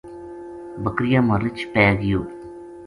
بکریاں ما رچھ پے گیو